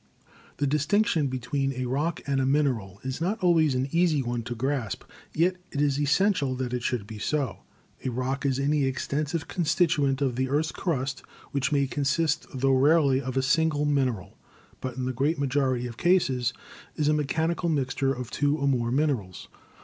The distinction between a rock and a mineral is not always an easy one to grasp, yet it is essential that it should be so. A rock is any extensive constituent of the earth's crust, which may consist, tho rarely, of a single mineral, but in the great majority of cases is a mechanical mixture of two or more minerals.